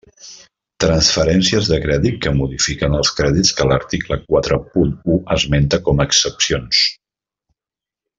Transferències de crèdit que modifiquin els crèdits que l'article quatre punt u esmenta com a excepcions.